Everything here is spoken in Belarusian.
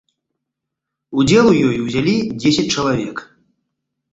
Удзел у ёй узялі дзесяць чалавек.